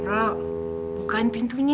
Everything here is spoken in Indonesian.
rok bukain pintunya